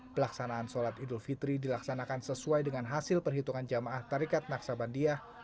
pelaksanaan sholat idul fitri dilaksanakan sesuai dengan hasil perhitungan jemaah tarikat naksa bandiah